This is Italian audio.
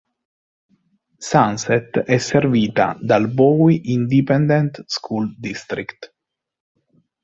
Sunset è servita dal Bowie Independent School District.